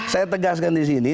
saya tegaskan di sini